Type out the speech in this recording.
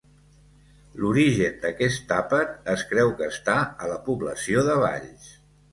L'origen d'aquest àpat es creu que està a la població de Valls.